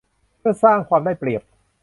เพื่อสร้างความได้เปรียบ